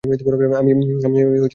আমি আলিঙ্গন পছন্দ করি।